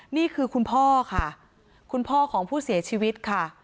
นี่คือคุณพ่อค่ะคุณพ่อของผู้เสียชีวิตค่ะ